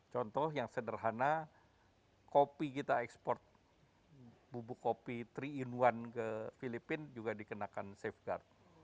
contoh yang sederhana kopi kita ekspor bubuk kopi tiga in satu ke filipina juga dikenakan safeguard